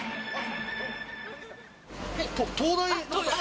東大？